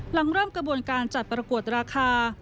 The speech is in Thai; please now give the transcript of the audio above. หลังเริ่มกระบวนการจัดประกวดราคา